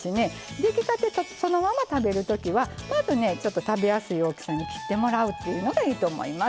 出来たてそのまま食べるときはまずね食べやすい大きさに切ってもらうというのがいいと思います。